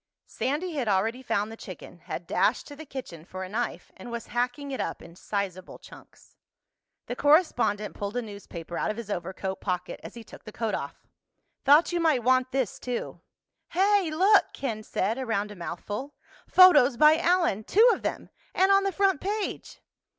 Sandy had already found the chicken, had dashed to the kitchen for a knife, and was hacking it up in sizable chunks. The correspondent pulled a newspaper out of his overcoat pocket as he took the coat off. "Thought you might want this too." "Hey, look!" Ken said, around a mouthful. "Photos by Allen—two of them! And on the front page."